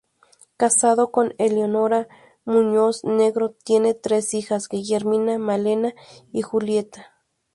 Casado con Eleonora Muñoz Negro, tiene tres hijas: Guillermina, Malena y Julieta.